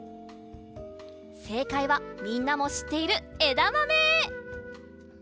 せいかいはみんなもしっているえだまめ！